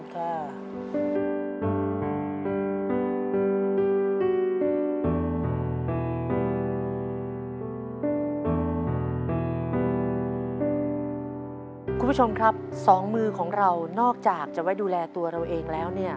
คุณผู้ชมครับสองมือของเรานอกจากจะไว้ดูแลตัวเราเองแล้วเนี่ย